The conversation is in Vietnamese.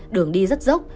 đường đi rất dốc